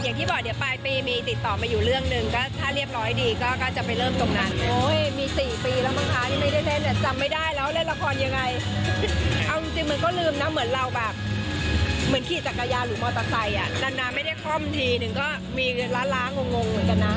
อย่าให้เสียหน้าแม่มาก็ต้องฟัง